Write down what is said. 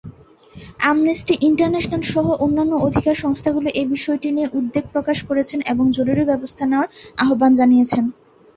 Amnesty International সহ অন্যান্য অধিকার সংস্থাগুলি এই বিষয়টি নিয়ে উদ্বেগ প্রকাশ করেছে এবং জরুরি ব্যবস্থা নেওয়ার আহ্বান জানিয়েছে।